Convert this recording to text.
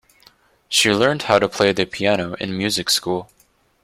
She learned how to play the piano in music school.